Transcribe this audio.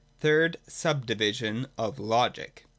THIRD SUB DIVISION OF LOGIC.